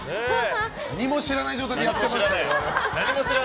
何も知らない状態でやってましたよ。